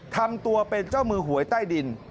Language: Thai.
ทำตัวเป็นเจ้ามือหวยใต้ดิน